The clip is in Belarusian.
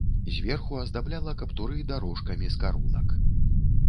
Зверху аздабляла каптуры дарожкамі з карунак.